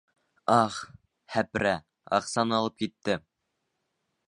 Ах, һәпрә, аҡсаны алып китте!